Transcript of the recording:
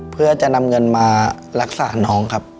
เพื่อจะนำเงินมารักษาน้องครับ